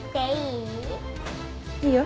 いいよ。